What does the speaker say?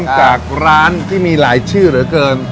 จากร้านที่มีหลายชื่อเหลือเกิน